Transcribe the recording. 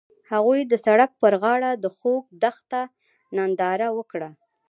هغوی د سړک پر غاړه د خوږ دښته ننداره وکړه.